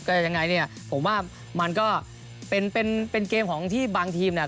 ก็ยังไงเนี่ยผมว่ามันก็เป็นเป็นเกมของที่บางทีมเนี่ย